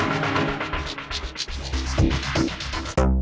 saya sudah berbicara dengan mereka